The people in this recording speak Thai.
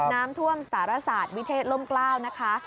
น้ำท่วมสารศาสตร์วิเทศล่มกล้าวนะคะ